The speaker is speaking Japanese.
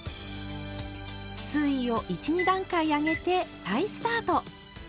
水位を１２段階上げて再スタート。